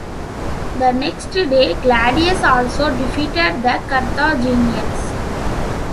The next day Claudius also defeated the Carthaginians.